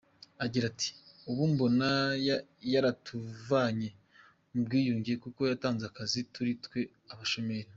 Agira ati “Ubu mbona yaratuvanye mu bwigunge kuko yatanze akazi kuri twe abashomeri.